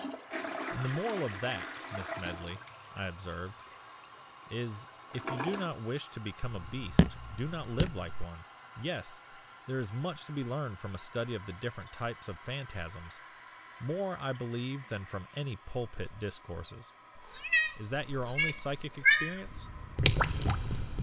"And the moral of that, Miss Medley," I observed, "is if you do not wish to become a beast do not live like one! Yes! there is much to be learned from a study of the different types of phantasms more I believe than from any pulpit discourses. Is that your only psychic experience?"